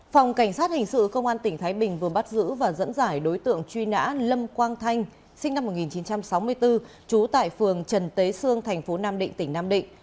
phòng cảnh sát hình sự công an tp thái bình vừa bắt giữ và dẫn giải đối tượng truy nã lâm quang thanh sinh năm một nghìn chín trăm sáu mươi bốn chú tại phường trần tế sương tp nam định tp nam định